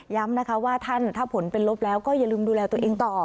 นะคะว่าท่านถ้าผลเป็นลบแล้วก็อย่าลืมดูแลตัวเองต่อ